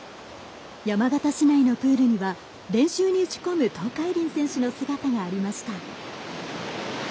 山形市内のプールには練習に打ち込む東海林選手の姿がありました。